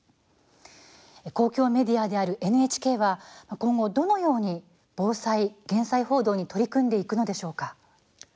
公共メディアであるＮＨＫは今後どのように防災・減災報道に取り組んでいくのでしょうか。